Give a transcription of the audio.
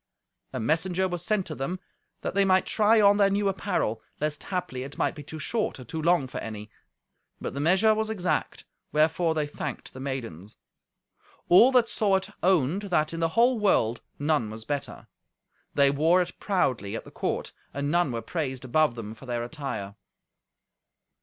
A messenger was sent to them, that they might try on their new apparel, lest haply it might be too short or too long for any. But the measure was exact, wherefore they thanked the maidens. All that saw it owned that, in the whole world, none was better. They wore it proudly at the court, and none were praised above them for their attire.